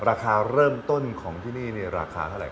ราคาเริ่มต้นของที่นี่เนี้ยราคาเท่าไรครับ